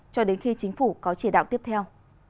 cho đến khi chính phủ có chỉ đạo tiếp theo